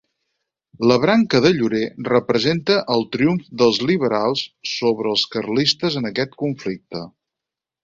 La branca de llorer representa el triomf dels liberals sobre els carlistes en aquest conflicte.